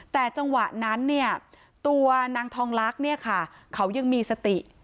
แต่จังหวะนั้นเนี่ยตัวนางทองลักษณ์เนี่ยค่ะเขายังมีสติ